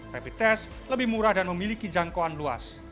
rapid test lebih murah dan memiliki jangkauan luas